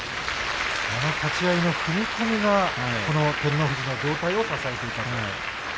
立ち合いの踏み込みが照ノ富士の上体を支えていた。